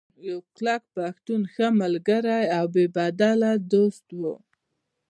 يو کلک پښتون ، ښۀ ملګرے او بې بدله دوست وو